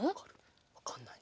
わかんないね。